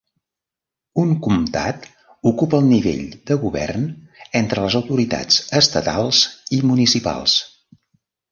Un comtat ocupa el nivell de govern entre les autoritats estatals i municipals.